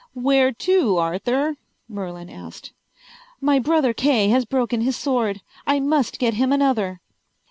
"Where to, Arthur?" Merlin asked. "My brother Kay has broken his sword. I must get him another."